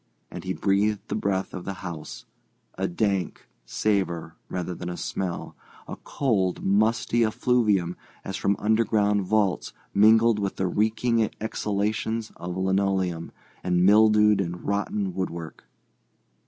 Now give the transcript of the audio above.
And he breathed the breath of the house—a dank savour rather than a smell—a cold, musty effluvium as from underground vaults mingled with the reeking exhalations of linoleum and mildewed and rotten woodwork.